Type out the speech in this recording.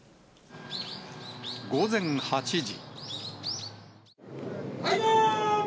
午前８時。